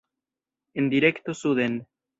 En direkto suden.